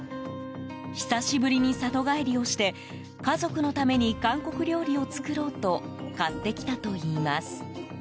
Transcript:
久しぶりに里帰りをして家族のために韓国料理を作ろうと買ってきたといいます。